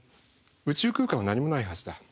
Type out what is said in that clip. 宇宙空間は何もないはずだ。